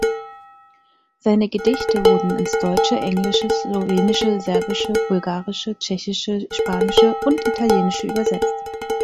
Seine Gedichte wurden ins Deutsche, Englische, Slowenische, Serbische, Bulgarische, Tschechische, Spanische und Italienische übersetzt.